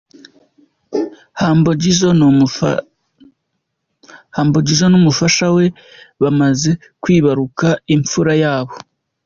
Humble Jizzo n'umufasha we bamaze kwibaruka imfura yabo.